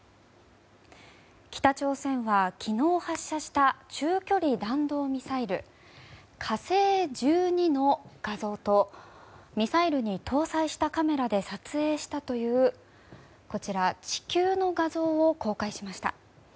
北朝鮮は昨日発射した中距離弾道ミサイル「火星１２」の画像とミサイルに搭載したカメラで撮影したという地球の画像を公開しました。